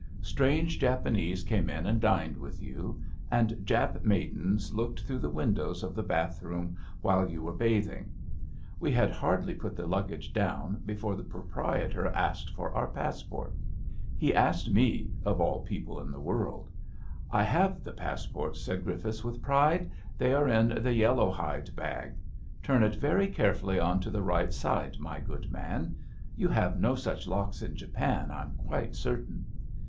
Strange Japanese came in and dined with you, and Jap maidens looked through the windows of the bathroom while you were bathing. We had hardly put the luggage down before the proprietor asked for our passports. He asked 66 ABAFT THE FUNNEL ' me of all people in the world. *^ I have the pass ports/' said Griffiths with pride. They are in the yellow hide bag. Turn it very carefully on to the right side, my good man. You have no such locks in Japan, I'm quite certain.''